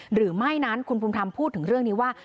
หรือไม่นั้นคุณภูมิธรรมพูดถึงเรื่องนี้ว่า